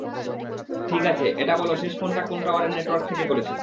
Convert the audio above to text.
ঠিক আছে, এটা বল শেষ ফোনটা কোন টাওয়ারের নেটওয়ার্ক থেকে করেছে?